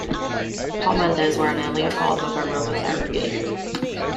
Pomanders were an earlier form of aromatherapy.